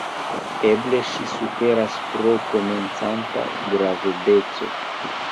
Eble ŝi suferas pro komencanta gravedeco.